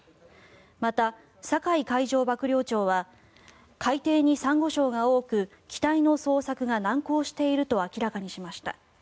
また、酒井海上幕僚長は海底にサンゴ礁が多く機体の捜索が難航していると明らかにしました。